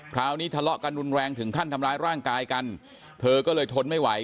ทะเลาะกันรุนแรงถึงขั้นทำร้ายร่างกายกันเธอก็เลยทนไม่ไหว